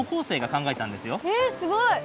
えっすごい！